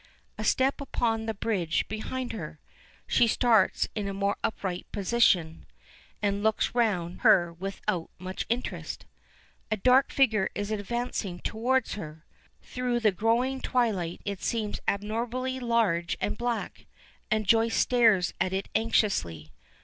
A step upon the bridge behind her! She starts into a more upright position and looks round her without much interest. A dark figure is advancing toward her. Through the growing twilight it seems abnormally large and black, and Joyce stares at it anxiously.